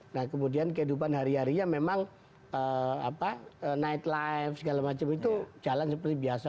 nah kemudian kehidupan hari harinya memang night life segala macam itu jalan seperti biasa